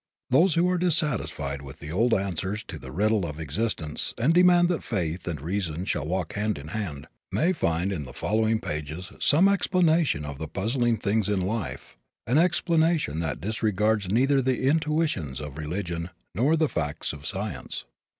Those who are dissatisfied with the old answers to the riddle of existence and demand that Faith and Reason shall walk hand in hand, may find in the following pages some explanation of the puzzling things in life an explanation that disregards neither the intuitions of religion nor the facts of science.